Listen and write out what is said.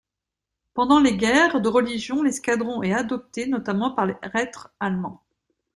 Pendant les guerres de religion, l’escadron est adopté notamment par les reîtres allemands.